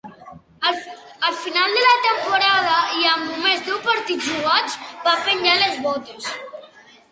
Al final de la temporada, i amb només deu partits jugats, va penjar les botes.